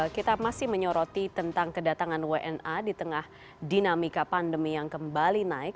kita masih menyoroti tentang kedatangan wna di tengah dinamika pandemi yang kembali naik